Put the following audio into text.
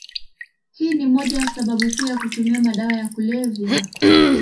Hii ni moja ya sababu kuu ya kutumia madawa ya kulevya.